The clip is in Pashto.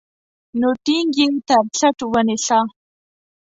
نو ټينګ يې تر څټ ونيسه.